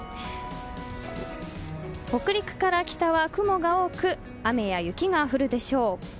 北陸から北は雲が多く雨や雪が降るでしょう。